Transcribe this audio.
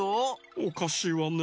おかしいわね